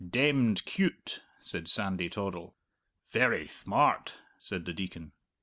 "Demned cute!" said Sandy Toddle. "Very thmart!" said the Deacon.